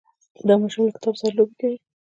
دا ماشوم له کتاب سره لوبې کوي.